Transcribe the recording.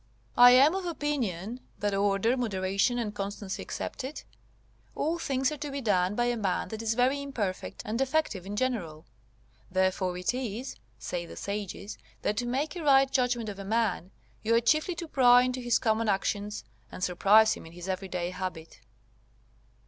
I am of opinion, that order, moderation, and constancy excepted, all things are to be done by a man that is very imperfect and defective in general. Therefore it is, say the Sages, that to make a right judgment of a man, you are chiefly to pry into his common actions, and surprise him in his everyday habit.